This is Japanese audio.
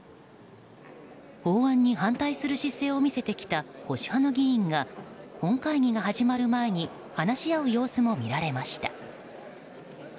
法案に反対する姿勢を見せてきた保守派の議員が本会議が始まる前に話し合う様子も見られました。